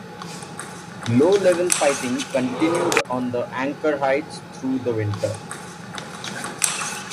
Low level fighting continued on the Ancre heights through the winter.